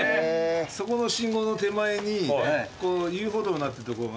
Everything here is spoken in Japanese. そこの信号の手前に遊歩道になってるところが。